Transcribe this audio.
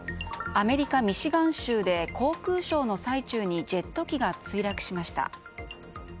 アメリカ・ミシガン州で航空ショーの最中にジェット機が墜落しました。